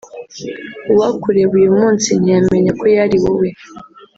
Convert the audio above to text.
uwakureba uyu munsi ntiyamenya ko yari wowe